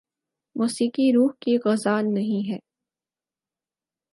موسیقی روح کی غذا نہیں ہے